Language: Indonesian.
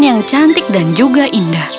yang cantik dan juga indah